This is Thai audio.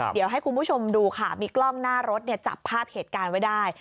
เดี๋ยวให้คุณผู้ชมดูค่ะมีกล้องหน้ารถจับภาพเหตุการณ์ไว้ได้